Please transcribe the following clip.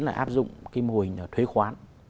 là áp dụng cái mô hình thuế khoán